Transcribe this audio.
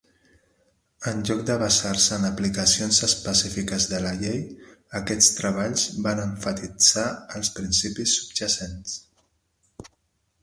En lloc de basar-se en aplicacions específiques de la llei, aquests treballs van emfatitzar els principis subjacents.